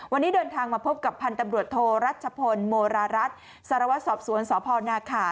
วันนี้เดินทางมาพบกับพันธุ์ตำรวจโทรัชพลโมรารัฐสารวัตรสอบสวนสพนาขา